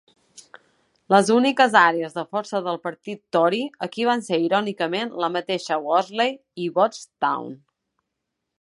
Les úniques àrees de força del partit Tory aquí van ser irònicament la mateixa Worsley i Boothstown.